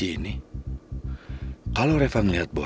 ini aku udah di makam mami aku